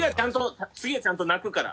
次はちゃんと泣くから。